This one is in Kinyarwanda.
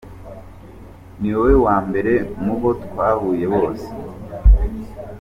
Ni wowe wa mbere mubo twahuye bose.